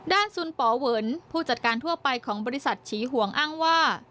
ซุนป๋อเวิร์นผู้จัดการทั่วไปของบริษัทฉีห่วงอ้างว่า